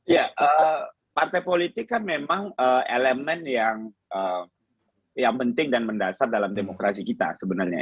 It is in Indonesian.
ya partai politik kan memang elemen yang penting dan mendasar dalam demokrasi kita sebenarnya